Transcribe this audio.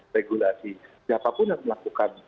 regulasi siapapun yang melakukan